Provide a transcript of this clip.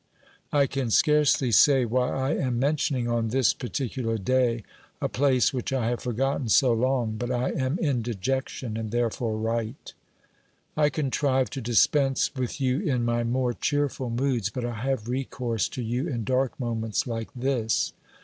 I can scarcely say why I am mentioning, on this parti cular day, a place which I have forgotten so long, but I am in dejection, and therefore write. I contrive to dispense with you in my more cheerful moods, but I have recourse to you in dark moments like this.